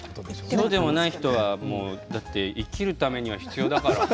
そうでもない人は生きるために必要だから。